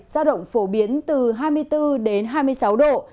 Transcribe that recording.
giao động phổ biến từ hai mươi bốn đến hai mươi sáu độ